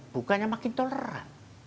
bukannya makin toleran